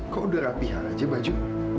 kok udah rapihal aja baju